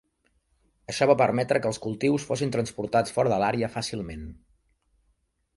Això va permetre que els cultius fossin transportats fora de l'àrea fàcilment.